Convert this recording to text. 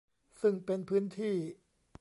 ซึ่งเป็นพื้นที่